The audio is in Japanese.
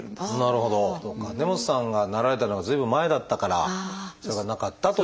根本さんがなられたのが随分前だったからそれがなかったという。